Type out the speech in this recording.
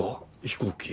飛行機。